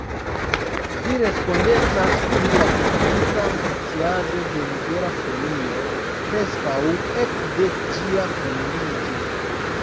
Vi respondecas pri la teknika funkciado de Libera Folio preskaŭ ekde ĝia fondiĝo.